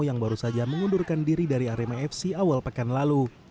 yang baru saja mengundurkan diri dari arema fc awal pekan lalu